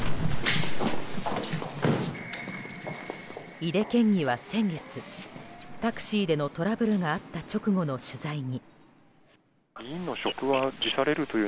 井手県議は先月、タクシーでのトラブルがあった直後の取材に。